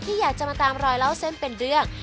อยากจะมาตามรอยเล่าเส้นเป็นเรื่อง